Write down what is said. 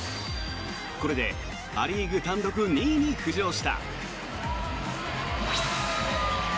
これでア・リーグ単独２位に浮上した。